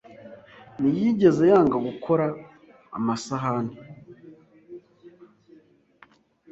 ntiyigeze yanga gukora amasahani.